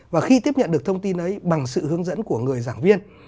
và khi tiếp nhận được thông tin ấy bằng sự hướng dẫn của người giảng viên